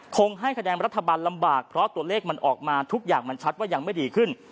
ให้คะแนนรัฐบาลลำบากเพราะตัวเลขมันออกมาทุกอย่างมันชัดว่ายังไม่ดีขึ้น